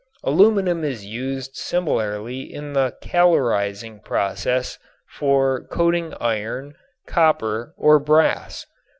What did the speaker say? Aluminum is used similarly in the calorizing process for coating iron, copper or brass.